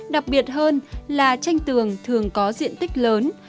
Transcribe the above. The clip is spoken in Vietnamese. đặc biệt hơn là tranh tường thường có diện tích lớn